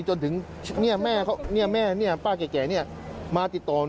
จนถึงแม่เขาแม่ป้าแก่มาติดต่อ